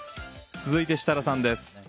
続いて設楽さんです。